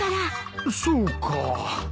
そうか。